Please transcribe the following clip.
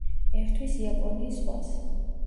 ერთვის იაპონიის ზღვას.